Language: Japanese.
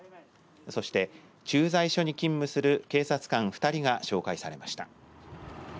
そして駐在所に勤務する警察官２人が紹介されました。